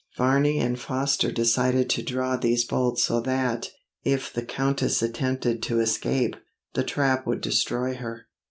Varney and Foster decided to draw these bolts so that, if the Countess attempted to escape, the trap would destroy her.